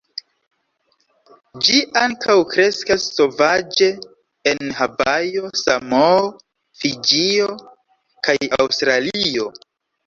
Ĝi ankaŭ kreskas sovaĝe en Havajo, Samoo, Fiĝio kaj Aŭstralio.